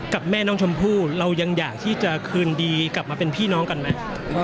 แม่น้องชมพู่เรายังอยากที่จะคืนดีกลับมาเป็นพี่น้องกันไหม